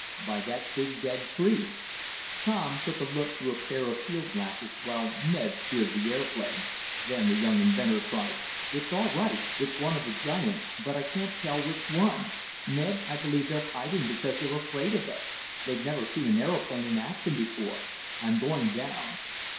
"By that big dead tree." Tom took a look through a pair of field glasses, while Ned steered the aeroplane. Then the young inventor cried: "It's all right. It's one of the giants, but I can't tell which one. Ned, I believe they're hiding because they're afraid of us. They've never seen an aeroplane in action before. I'm going down."